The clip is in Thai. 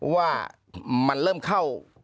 ว่ามันเริ่มเข้า